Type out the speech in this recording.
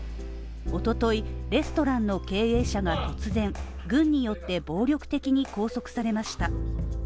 おととい、レストランの経営者が突然、軍によって暴力的に拘束されました。